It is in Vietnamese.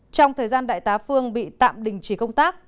trong thời gian đại tá phương bị tạm đình chỉ công tác